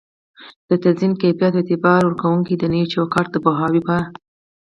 د تضمین کیفیت او اعتبار ورکووني د نوي چوکات د پوهاوي په